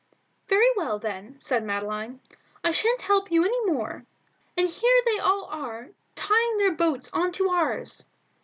"Very well, then," said Madeline, "I sha'n't help you any more; and here they all are tying their boats on to ours."